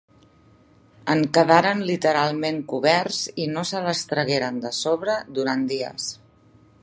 En quedaren literalment coberts i no se les tragueren de sobre durant dies.